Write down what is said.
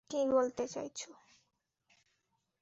কী বলতে চাইছো?